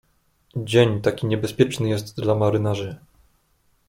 "Dzień taki niebezpieczny jest dla marynarzy."